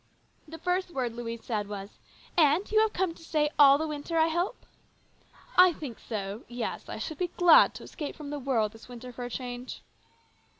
The first word Louise said was, " Aunt, you have come to stay all the winter, I hope ?" "I think so. Yes, I should be glad to escape from the whirl this winter for a change."